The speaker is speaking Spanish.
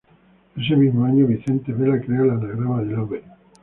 Ese mismo año Vicente Vela crea el anagrama de Loewe.